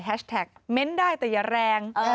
ฮาชแท็กเม้นต์ได้แต่อย่าแรง